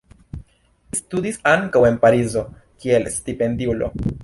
Li studis ankaŭ en Parizo kiel stipendiulo.